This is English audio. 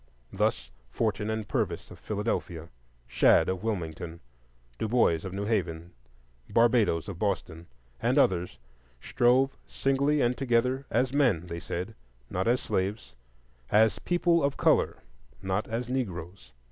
Thus, Forten and Purvis of Philadelphia, Shad of Wilmington, Du Bois of New Haven, Barbadoes of Boston, and others, strove singly and together as men, they said, not as slaves; as "people of color," not as "Negroes."